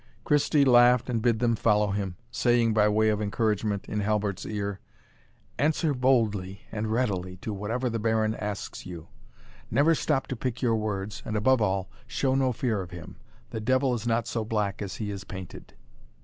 Christie laughed and bid them follow him, saying, by way of encouragement, in Halbert's ear, "Answer boldly and readily to whatever the Baron asks you. Never stop to pick your words, and above all show no fear of him the devil is not so black as he is painted."